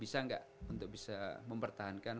bisa nggak untuk bisa mempertahankan